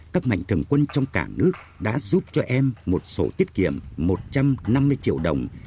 các mạnh thường quân trong cả nước đã giúp cho em một sổ tiết kiệm một trăm năm mươi triệu đồng